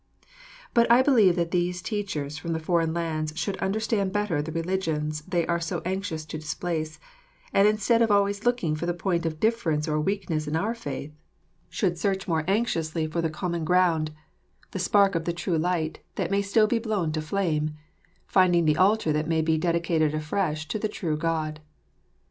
But I believe that these teachers from the foreign lands should understand better the religions they are so anxious to displace, and instead of always looking for the point of difference or weakness in our faith, should search more anxiously for the common ground, the spark of the true light that may still be blown to flame, finding the altar that may be dedicated afresh to the true God.